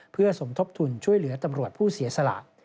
เพื่อสมทบทุนช่วยเหลือตำรวจผู้เสียสละ